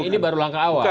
ini baru langkah awal